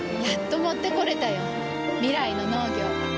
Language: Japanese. やっと持ってこれたよ。未来の農業。